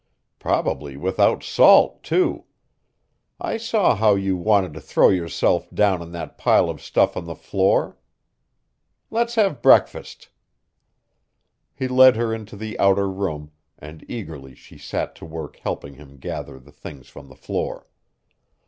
Probably without salt, too. I saw how you wanted to throw yourself down on that pile of stuff on the floor. Let's have breakfast!" He led her into the outer room, and eagerly she set to work helping him gather the things from the floor.